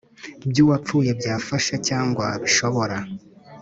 By uwapfuye byafasha cyangwa bishobora